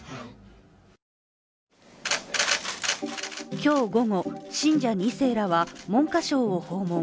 今日、信者２世らは文科省を訪問。